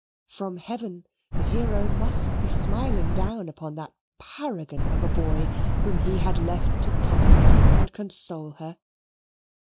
From heaven the hero must be smiling down upon that paragon of a boy whom he had left to comfort and console her.